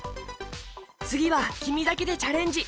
つぎはきみだけでチャレンジ！